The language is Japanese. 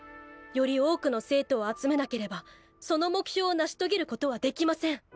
より多くの生徒を集めなければその目標を成し遂げることはできません。